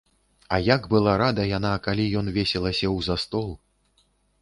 А як была рада яна, калі ён весела сеў за стол.